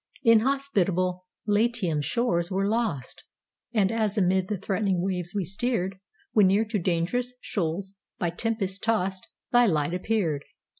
Inhospitable Latium's shores were lost, And, as amid the threatening waves we steered, When near to dangerous shoals, by tempests tost, Thy light appeared.